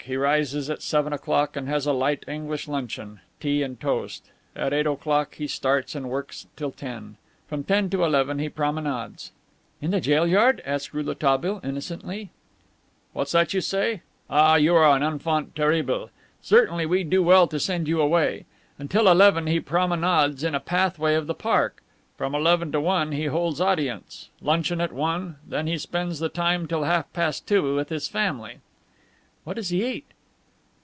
He rises at seven o'clock and has a light English luncheon tea and toast. At eight o'clock he starts and works till ten. From ten to eleven he promenades." "In the jail yard?" asked Rouletabille innocently. "What's that you say? Ah, you are an enfant terrible! Certainly we do well to send you away. Until eleven he promenades in a pathway of the park. From eleven to one he holds audience; luncheon at one; then he spends the time until half past two with his family." "What does he eat?"